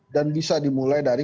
dan bisa dimulai dari